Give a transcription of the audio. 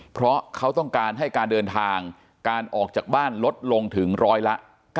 เพราะเขาต้องการให้การเดินทางการออกจากบ้านลดลงถึงร้อยละ๙